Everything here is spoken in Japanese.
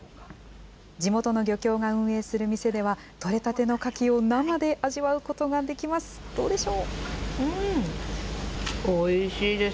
地元の漁協が運営する店では、取れたてのカキを生で味わうことができます。